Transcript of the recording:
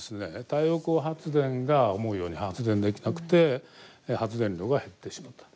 太陽光発電が思うように発電できなくて発電量が減ってしまった。